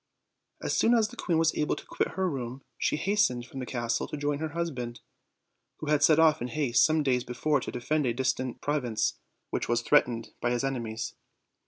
As soon as the queen was able to quit her room she hastened from the castle to join her husband, who had set off in haste some days before to defend a distant province which was threatened by his enemies.